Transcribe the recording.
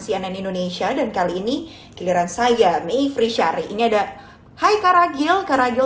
cnn indonesia dan kali ini giliran saya mayfri syari ini ada hai karagil karagil